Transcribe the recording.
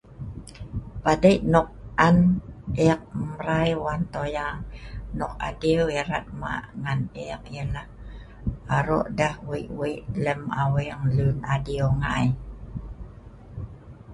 Padei nok an ek mrai wan toyang nok adiew erat hmak ngan ek yh nah arok deh wei-wei lem aweng lun adeiw ngai